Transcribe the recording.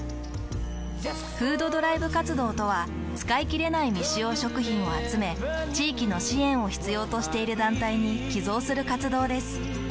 「フードドライブ活動」とは使いきれない未使用食品を集め地域の支援を必要としている団体に寄贈する活動です。